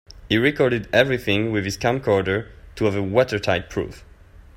He recorded everything with his camcorder to have a watertight proof.